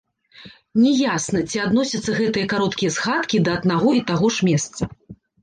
Не ясна, ці адносяцца гэтыя кароткія згадкі да аднаго і таго ж месца.